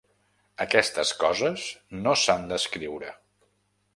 Aquestes coses no s'han d'escriure.